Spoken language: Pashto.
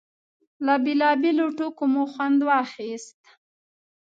له بېلابېلو ټوکو مو خوند اخيست.